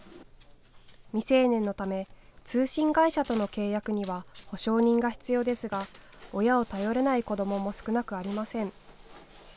未成年のため通信会社との契約には保証人が必要ですが親を頼れない子どもも少なくありません。